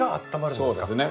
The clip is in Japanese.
そうですね。